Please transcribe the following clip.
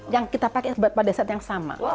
yang kita pakai pada saat yang sama